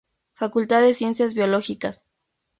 Facultad de Ciencias Biológicas.